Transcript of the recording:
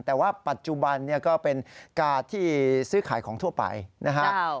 แต่ว่าปัจจุบันเนี่ยก็เป็นการ์ดที่ซื้อขายของทั่วไปนะครับ